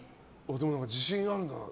でも自信があるんだろうな。